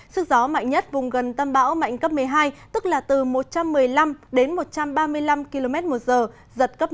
sức gió mạnh nhất vùng gần tâm bão mạnh cấp một mươi hai tức là từ một trăm một mươi năm đến một trăm ba mươi năm km một giờ giật cấp một mươi